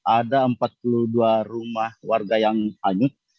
ada empat puluh dua rumah warga yang hanyut